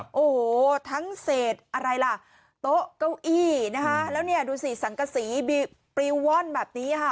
โอ้โหทั้งเศษอะไรล่ะโต๊ะเก้าอี้นะคะแล้วเนี่ยดูสิสังกษีปลิวว่อนแบบนี้ค่ะ